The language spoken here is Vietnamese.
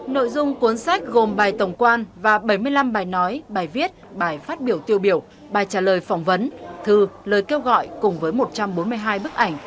nội dung cuốn sách gồm bài tổng quan và bảy mươi năm bài nói bài viết bài phát biểu tiêu biểu bài trả lời phỏng vấn thư lời kêu gọi cùng với một trăm bốn mươi hai bức ảnh